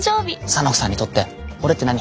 沙名子さんにとって俺って何？